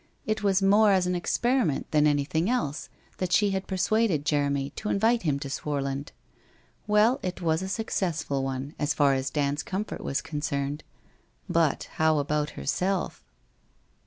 It was more as an experiment than anything else that she had persuaded Jeremy to invite him to Swarland. Well, it was a suc cessful one, as far as Dand's comfort was concerned, but how about herself?